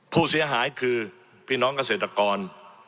ผู้เสียหายคือพี่น้องเกษตรกร